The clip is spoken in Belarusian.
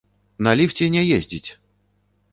На ліфце не ездзіць!